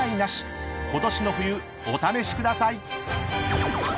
［ことしの冬お試しください］